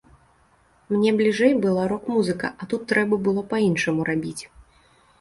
Мне бліжэй была рок-музыка, а тут трэба было па-іншаму рабіць.